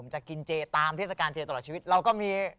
จะกินเจตามเทศกาลเจตลอดชีวิตเราก็มี